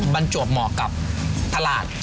บรรจวบเหมาะกับตลาด